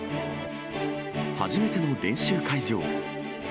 初めての練習会場。